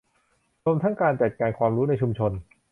รวมทั้งการจัดการความรู้ในชุมชน